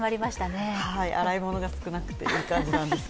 洗い物が少なくて、いい感じなんです。